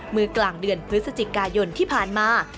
เมื่อกลางเดือนพฤศจิกายนที่ผ่านมา